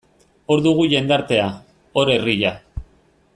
Hor dugu jendartea, hor herria.